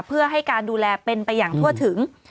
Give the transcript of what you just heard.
เพื่อให้การดูแลเป็นไปอย่างทั่วถึง